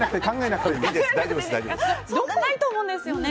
ないと思うんですよね